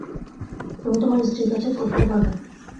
তুমি তোমার স্ত্রীর কাছে পৌঁছতে পারবে।